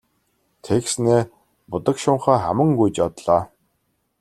Тэгснээ будаг шунхаа хаман гүйж одлоо.